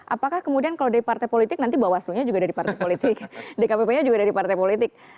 apakah kemudian kalau dari partai politik nanti bawaslu nya juga dari partai politik dkpp nya juga dari partai politik